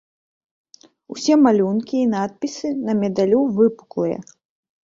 Усе малюнкі і надпісы на медалю выпуклыя.